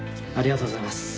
ありがとうございます。